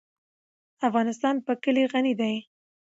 افغانستان په کلي غني دی.